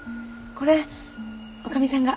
これ女将さんが。